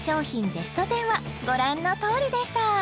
ベスト１０はご覧のとおりでした